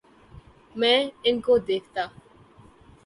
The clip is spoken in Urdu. میں ان کو دیکھتا